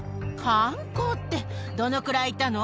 観光って、どのくらいいたの？